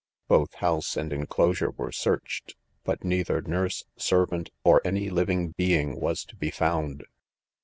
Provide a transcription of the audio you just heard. Both house and enclosure were searched ; but neither nurse, s&vant, or any living being was to be Found.